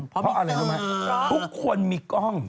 เพราะอะไรรู้ไหมทุกคนมีกล้อง